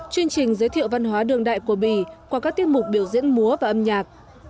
chương trình giới thiệu văn hóa đường đại của bỉ qua các tiết mục biểu diễn múa và âm nhạc